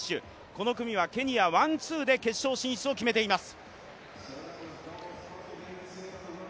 この組はケニア、ワン・ツーで決勝進出を決めています。